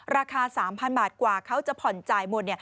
ราคา๓๐๐บาทกว่าเขาจะผ่อนจ่ายหมด